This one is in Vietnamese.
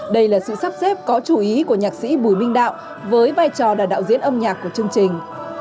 đây là sự sắp xếp có chú ý của nhạc sĩ bùi minh đạo với vai trò là đạo diễn âm nhạc của chương trình